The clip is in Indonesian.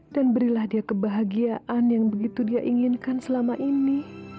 dan berilah dia kebahagiaan yang begitu dia inginkan selama ini